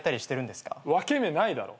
分け目ないだろ。